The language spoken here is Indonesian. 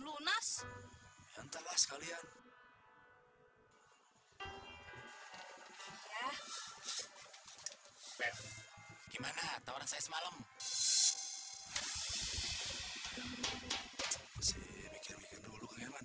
lunas entahlah sekalian ya bet gimana tawaran saya semalam saya bikin bikin dulu kagetan